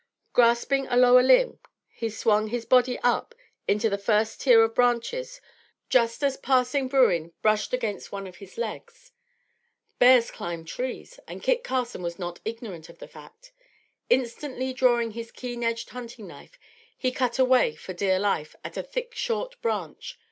Grasping a lower limb he swung his body up into the first tier of branches just as passing Bruin brushed against one of his legs. Bears climb trees and Kit Carson was not ignorant of the fact. Instantly drawing his keen edged hunting knife, he cut away for dear life at a thick short branch.